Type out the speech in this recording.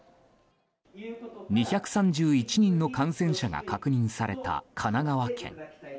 ２３１人の感染者が確認された神奈川県。